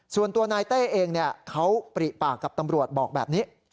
ส่วนตัวนายแก้เองคงปริปากตำรวจบอกแบบนี้